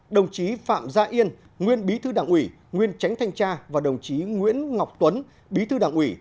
đồng chí phạm gia yên nguyên bí thư đảng ủy nguyên tránh thanh tra và đồng chí nguyễn ngọc tuấn bí thư đảng ủy